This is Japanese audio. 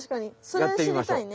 それしりたいね。